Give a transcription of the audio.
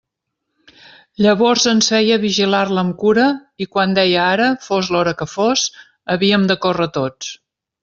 Llavors ens feia vigilar-la amb cura, i quan deia ara, fos l'hora que fos, havíem de córrer tots.